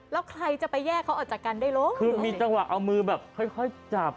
แล้วใครจะไปแยกเขาออกจากกันได้รู้คือมีจังหวะเอามือแบบค่อยค่อยจับ